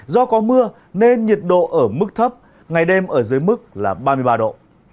do có mưa nên nhiệt độ ở mức thấp ngày đêm ở dưới mức là ba mươi ba độ